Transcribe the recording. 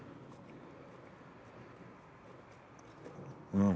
うん。